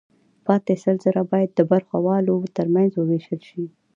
پاتې سل زره باید د برخوالو ترمنځ ووېشل شي